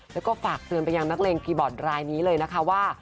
แล้วก็ฝากเตือนไปยังนักเลงคีย์บอร์ดรายนี้เลยนะคะว่า